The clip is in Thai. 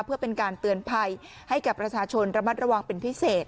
เพื่อเป็นการเตือนภัยให้กับประชาชนระมัดระวังเป็นพิเศษ